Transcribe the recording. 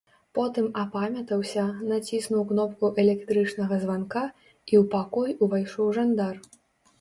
Потым апамятаўся, націснуў кнопку электрычнага званка, і ў пакой увайшоў жандар.